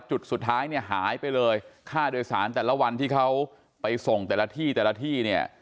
จุดสุดท้ายเนี่ยหายไปเลยค่าโดยสารแต่ละวันที่เขาไปส่งแต่ละที่แต่ละที่เนี่ย